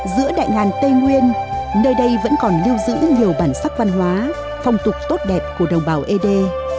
giữa đại ngàn tây nguyên nơi đây vẫn còn lưu giữ nhiều bản sắc văn hóa phong tục tốt đẹp của đồng bào ed